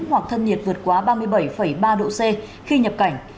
hoặc thân nhiệt vượt quá ba mươi bảy ba độ c khi nhập cảnh